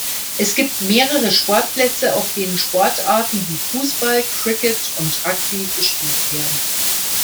Es gibt mehrere Sportplätze, auf denen Sportarten wie Fußball, Cricket und Rugby gespielt werden.